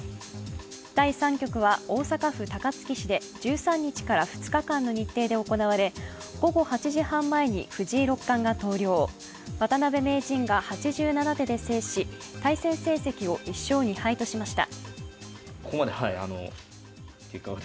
第３局は大阪府高槻市で１３日から２日間の日程で行われ、午後８時半前に藤井六冠が投了渡辺名人が８７手で制し対戦成績を１勝２敗としました。